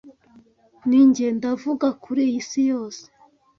ninjye ndavuga kuri isi yose